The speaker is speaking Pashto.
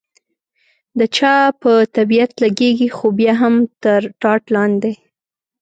د چا په طبیعت لګېږي، خو بیا هم تر ټاټ لاندې.